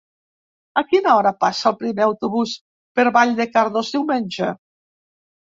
A quina hora passa el primer autobús per Vall de Cardós diumenge?